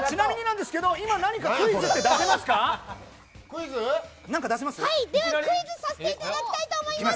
では、クイズさせていただきたいと思います。